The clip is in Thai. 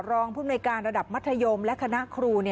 ภูมิในการระดับมัธยมและคณะครู